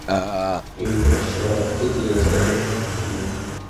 Ibi birashobora gutegereza ejo mbwira